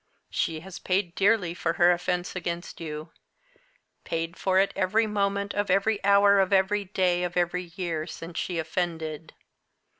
She has paid dearly for her offence against you paid for it every moment of every hour of every day of every year since she offended.